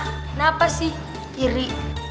kenapa sih iri